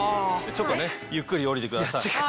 ちょっとゆっくり下りてください。